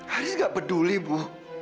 haris nggak peduli bu